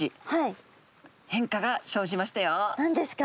何ですか？